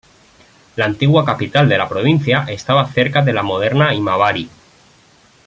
La antigua capital de la provincia estaba cerca de la moderna Imabari.